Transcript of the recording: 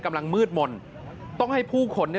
กำลังมืดมนต้องให้ผู้คน